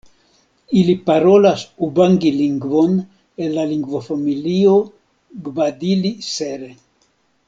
Ili parolas ubangi-lingvon el la lingvofamilio Gbadili-Sere.